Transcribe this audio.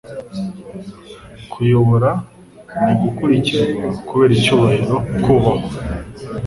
Kuyobokwa ni gukurikirwa kubera icyubahiro, kubahwa.